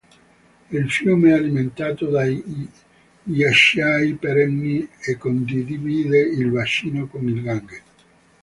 Il fiume è alimentato dai ghiacciai perenni e condivide il bacino con il Gange.